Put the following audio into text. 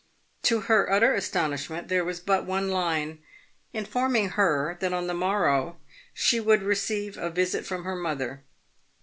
To her utter astonishment there was but one line, informing her that on the morrow she would receive a visit from her mother.